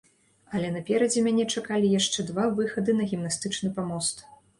Але наперадзе мяне чакалі яшчэ два выхады на гімнастычны памост.